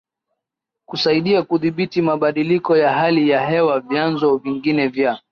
kusaidia kudhibiti mabadiliko ya hali ya hewaVyanzo vingine vya